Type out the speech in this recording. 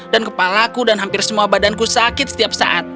dan kepalaku dan hampir semua badanku sakit setiap saat